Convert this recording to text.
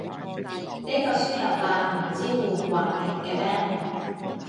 呢個輸入法唔支援橫屏嘅咩？